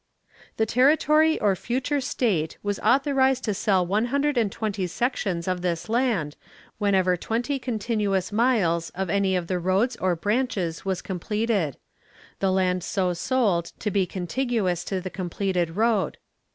The territory or future state was authorized to sell one hundred and twenty sections of this land whenever twenty continuous miles of any of the roads or branches was completed, the land so sold to be contiguous to the completed road.